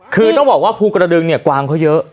คือต้องบอกว่าภูกระดึงเนี่ยกวางเขาเยอะ